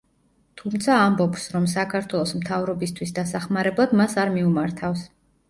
თუმცა, ამბობს, რომ საქართველოს მთავრობისთვის დასახმარებლად მას არ მიუმართავს.